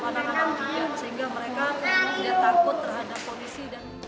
sehingga mereka tidak takut terhadap polisi